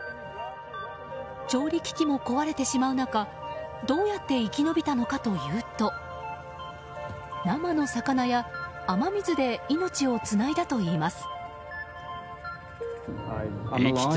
調理機器も壊れてしまう中どうやって生き延びたのかというと生の魚や雨水で命をつないだといいます。